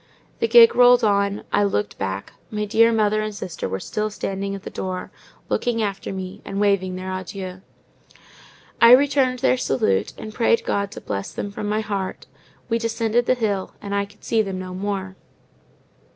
The gig rolled on; I looked back; my dear mother and sister were still standing at the door, looking after me, and waving their adieux. I returned their salute, and prayed God to bless them from my heart: we descended the hill, and I could see them no more.